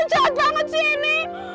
cepat banget sih ini